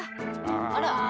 あら。